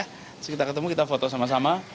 terus kita ketemu kita foto sama sama